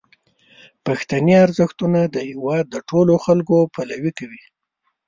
پښتني ارزښتونه د هیواد د ټولو خلکو پلوي کوي.